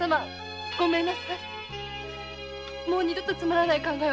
もう二度とつまらない考えは。